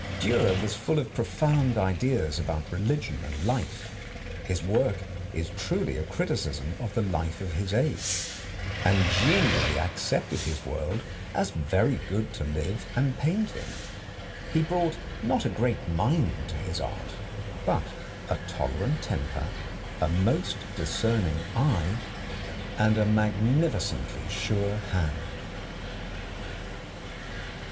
Dürer was full of profound ideas about religion and life. His work is truly a criticism of the life of his age. Holbein had virtually no ideas, and genially accepted his world as very good to live and paint in. He brought not a great mind to his art, but a tolerant temper, a most discerning eye, and a magnificently sure hand.